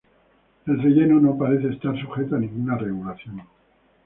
El relleno no parece estar sujeto a ninguna regulación.